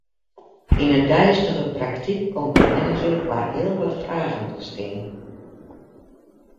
Yn 'e deistige praktyk komt de manager foar heel wat fragen te stean.